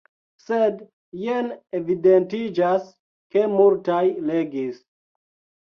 Sed jen evidentiĝas, ke multaj legis.